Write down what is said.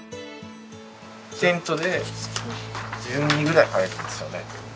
テントで１２ぐらい入るんですよね。